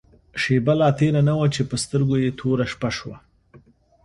شېبه لا تېره نه وه چې په سترګو يې توره شپه شوه.